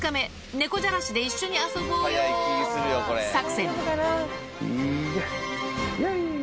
猫じゃらしで一緒に遊ぼうよー作戦。